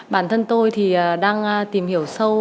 bản thân tôi thì đang tìm hiểu sâu